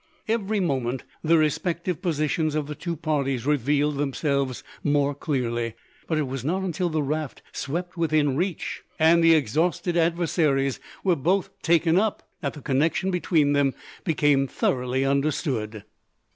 Every moment the respective positions of the two parties revealed themselves more clearly; but it was not until the raft swept within reach, and the exhausted adversaries were both taken up, that the connection between them became thoroughly understood.